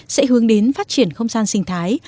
sẽ hướng đến phát triển không gian sinh thái